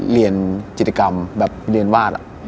เรียนจิตกรรมแบบเรียนวาด